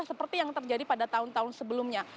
seperti yang terjadi pada tahun tahun sebelumnya